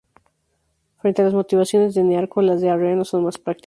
Frente a las motivaciones de Nearco las de Arriano son más prácticas.